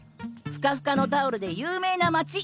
ふかふかのタオルで有名な街。